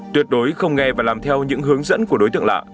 tuyệt đối không nghe và làm theo những hướng dẫn của đối tượng lạ